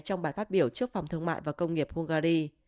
trong bài phát biểu trước phòng thương mại và công nghiệp hungary